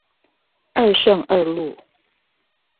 二聖二路